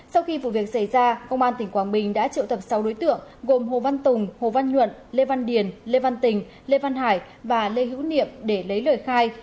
sau khi vụ việc xảy ra công an tỉnh quảng bình đã triệu tập sáu đối tượng gồm hồ văn tùng hồ văn nhuận lê văn điền lê văn tình lê văn hải và lê hữu niệm để lấy lời khai